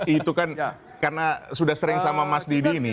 itu kan karena sudah sering sama mas didi ini